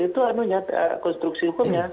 itu anunya konstruksi hukumnya